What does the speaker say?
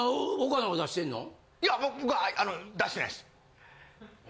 いや僕は出してないです。